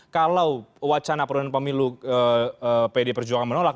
kalau wacana perundangan pemilu pd perjuangan menolak